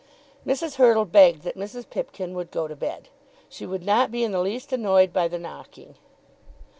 Mrs. Hurtle begged that Mrs. Pipkin would go to bed. She would not be in the least annoyed by the knocking.